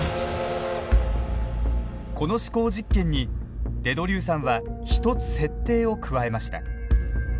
この思考実験にデ・ドリューさんは１つ設定を加えました。